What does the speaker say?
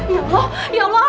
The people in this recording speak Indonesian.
ya allah ya allah